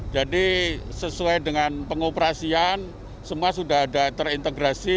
jadi sesuai dengan pengoperasian semua sudah ada terintegrasi